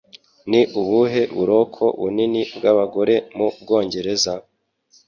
Ni ubuhe buroko bunini bw'abagore mu Bwongereza?